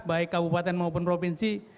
baik kabupaten maupun provinsi